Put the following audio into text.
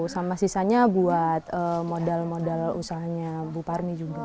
sama sisanya buat modal modal usahanya bu parmi juga